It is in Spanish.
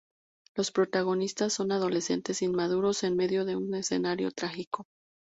Los protagonistas son adolescentes inmaduros en medio de un escenario trágico.